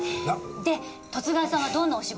で十津川さんはどんなお仕事を？